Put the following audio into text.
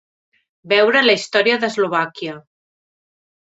Veure la història d'Eslovàquia.